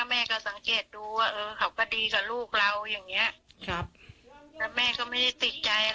แม่ก็สังเกตดูว่าเขาก็ดีกับลูกเราอย่างนี้